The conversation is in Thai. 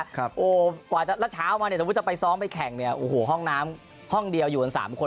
แล้วเช้ามาถ้าพูดจะไปซ้อมไปแข่งห้องน้ำห้องเดียวอยู่กัน๓คน